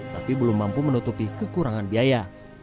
tapi belum mampu menutupi kekurangan biaya